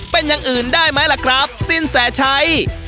เป็นอย่างอื่นได้มั้ยล่ะครับสิ้นแสดิใจ